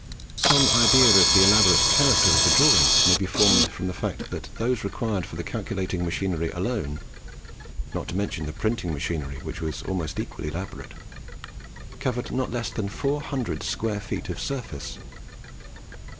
Some idea of the elaborate character of the drawings may be formed from the fact that those required for the calculating machinery alone not to mention the printing machinery, which was almost equally elaborate covered not less than four hundred square feet of surface!